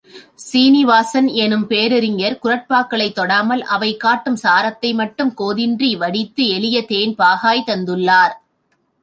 சீநிவாசன் எனும் பேரறிஞர் குறட்பாக்களைத் தொடாமல், அவை காட்டும் சாரத்தைமட்டும் கோதின்றி வடித்து, எளிய தேன்பாகாய்த் தந்துள்ளார்.